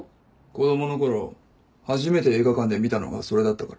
子供の頃初めて映画館で見たのがそれだったから。